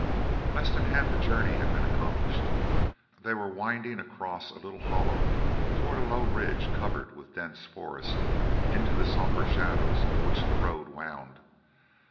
Less than half the journey had been accomplished. They were winding across a little hollow toward a low ridge covered with dense forest, into the somber shadows of which the road wound.